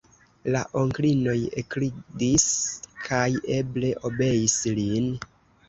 La onklinoj ekridis kaj eble obeis lin.